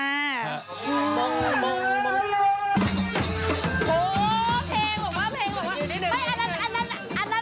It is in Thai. โหเพลงบอกว่าเพลงบอกว่า